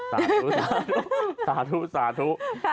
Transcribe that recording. สาธุสาธุสาธุ